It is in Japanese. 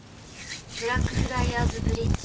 ブラックフライアーズブリッジ。